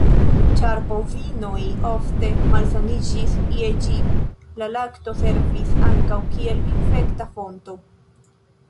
Ĉar bovinoj ofte malsaniĝis je ĝi, la lakto servis ankaŭ kiel infekta fonto.